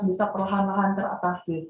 bisa perlahan lahan teratasi